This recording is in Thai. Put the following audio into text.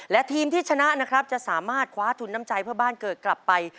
และทีมที่ชนะนะครับจะสามารถคว้าทุนน้ำใจเพื่อบ้านเกิดกลับไป